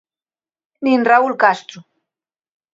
Nin Raúl Castro.